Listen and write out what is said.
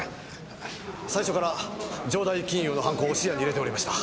最初から城代金融の犯行を視野に入れておりました。